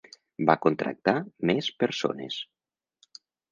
Va contractar més persones.